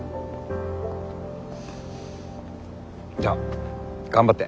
じゃあ頑張って。